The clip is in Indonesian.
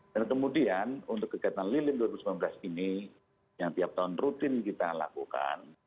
dan kemudian untuk kegiatan lilin dua ribu sembilan belas ini yang tiap tahun rutin kita lakukan